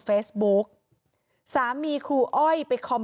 มีเรื่องอะไรมาคุยกันรับได้ทุกอย่าง